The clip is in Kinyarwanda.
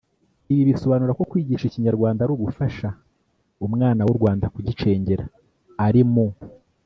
Ibi bisobanura ko kwigisha ikinyarwanda ari ugufasha umwana w’u Rwanda kugicengera ari mu